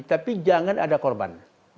tapi jangan ada korban